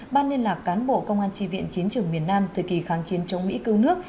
ban liên lạc cán bộ công an tri viện chiến trường miền nam thời kỳ kháng chiến chống mỹ cứu nước